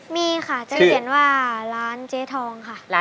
มีค่ะจะเขียนว่าร้านเจ๊ทองค่ะ